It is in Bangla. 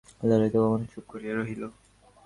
ললিতা এখনো চুপ করিয়া রহিল।